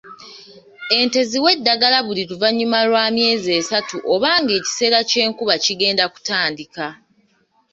Ente ziwe eddagala buli luvannyuma lwa myezi esatu oba nga ekiseera ky’enkuba kigenda kutandika.